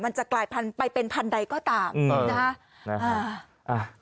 มันจะกลายไปเป็นพันธุ์ใดก็ตามนะครับ